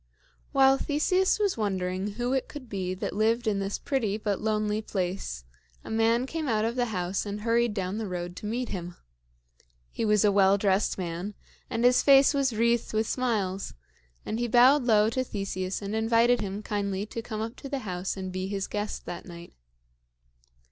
While Theseus was wondering who it could be that lived in this pretty but lonely place, a man came out of the house and hurried down to the road to meet him. He was a well dressed man, and his face was wreathed with smiles; and he bowed low to Theseus and invited him kindly to come up to the house and be his guest that night.